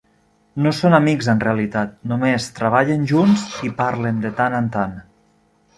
No són amics en realitat, només treballen junts i parlen de tant en tant.